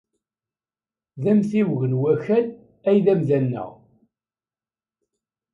D amtiweg n Wakal ay d amda-nneɣ.